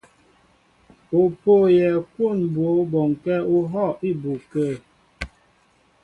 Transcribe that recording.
Ó pôyɛ kwón mbwǒ bɔŋkɛ̄ ú hɔ̂ á ibu kə̂.